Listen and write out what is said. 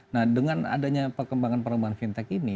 nah dengan adanya perkembangan perkembangan fintech ini